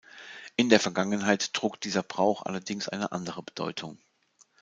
In der Vergangenheit trug dieser Brauch allerdings eine andere Bedeutung.